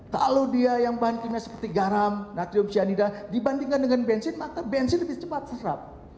kalau dia yang bahan kimia seperti garam natrium cyanida dibandingkan dengan bensin maka bensin lebih cepat serap